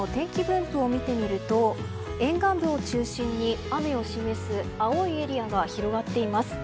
今夜の天気分布を見てみると沿岸部を中心に雨を示す青いエリアが広がっています。